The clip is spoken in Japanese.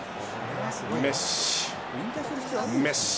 メッシ。